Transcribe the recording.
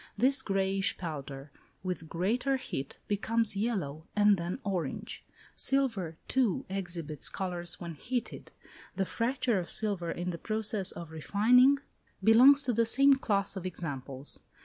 This greyish powder, with greater heat, becomes yellow, and then orange. Silver, too, exhibits colours when heated; the fracture of silver in the process of refining belongs to the same class of examples.